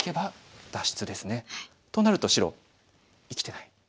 となると白生きてない。